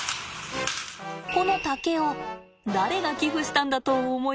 この竹を誰が寄付したんだと思います？